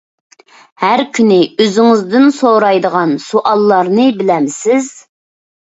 ھەر كۈنى ئۆزىڭىزدىن سورايدىغان سوئاللارنى بىلەمسىز؟